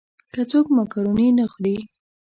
که څوک مېکاروني نه خوري.